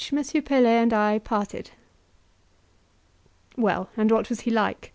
Pelet and I parted. Well, and what was he like?